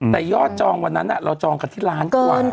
แต่ยอดจองวันนั้นเราจองกันที่ล้านกว่า